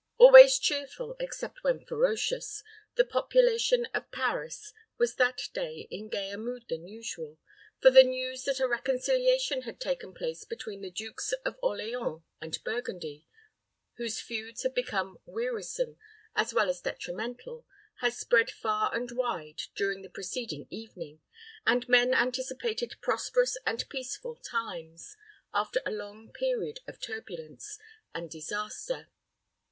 Always cheerful except when ferocious, the population of Paris was that day in gayer mood than usual, for the news that a reconciliation had taken place between the Dukes of Orleans and Burgundy, whose feuds had become wearisome as well as detrimental, had spread far and wide during the preceding evening, and men anticipated prosperous and peaceful times, after a long period of turbulence and disaster.